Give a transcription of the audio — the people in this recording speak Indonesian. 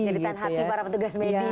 jeritan hati para petugas medis ya bu ya